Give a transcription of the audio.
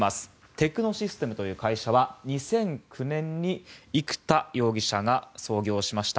テクノシステムという会社は２００９年に生田容疑者が創業しました。